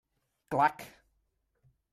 Clac!